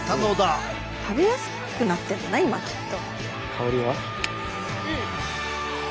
食べやすくなってんじゃない今きっと。